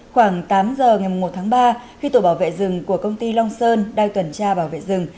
khoảng tám giờ ngày một tháng ba khi tổ bảo vệ rừng của công ty long sơn đang tuần tra bảo vệ rừng